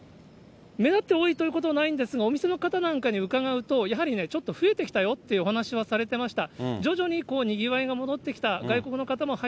目立って多いということはないんですが、お店の方なんかに伺うと、やはりね、ちょっと増えてきたよっていうお話はされてました。